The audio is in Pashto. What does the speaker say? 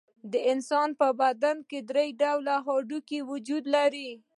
د انسان په بدن کې درې ډوله هډوکي وجود لري.